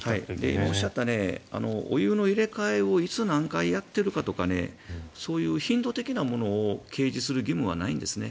今おっしゃったお湯の入れ替えをいつ何回やっているかというそういう頻度的なものを掲示する義務はないんですね。